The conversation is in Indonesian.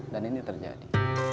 dan ini terjadi